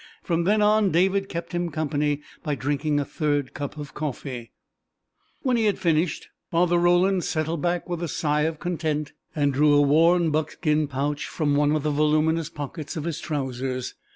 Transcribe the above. From then on David kept him company by drinking a third cup of coffee. When he had finished Father Roland settled back with a sigh of content, and drew a worn buckskin pouch from one of the voluminous pockets of his trousers.